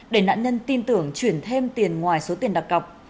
để nạn nhân tin tưởng chuyển thêm tiền ngoài số tiền đặc cọc